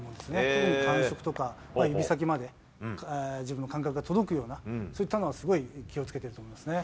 特に感触とか指先まで、自分の感覚が届くような、そういったのは、すごい気をつけていると思いますね。